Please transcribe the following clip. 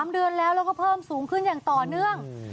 ๓เดือนแล้วแล้วก็เพิ่มสูงขึ้นอย่างต่อเนื่อง